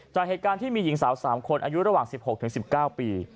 จากเหตุการณ์ที่มีหญิงสาว๓คนอายุระหว่าง๑๖๑๙ปี